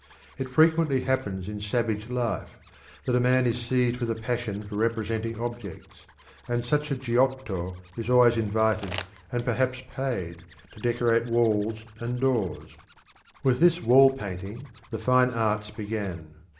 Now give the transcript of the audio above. It frequently happens in savage life, that a man is seized with a passion for representing objects, and such a Giotto is always invited, and perhaps, paid, to decorate walls and doors. With this wall painting the fine arts began.